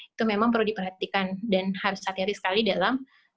itu memang perlu diperhatikan dan harus hati hati sekali dalam